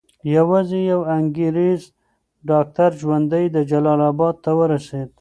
یوازې یو انګریز ډاکټر ژوندی جلال اباد ته ورسېد.